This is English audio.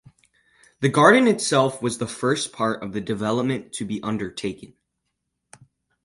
The garden itself was the first part of the development to be undertaken.